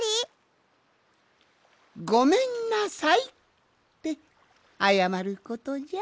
「ごめんなさい」ってあやまることじゃ。